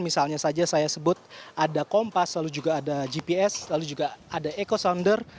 misalnya saja saya sebut ada kompas lalu juga ada gps lalu juga ada eco sounder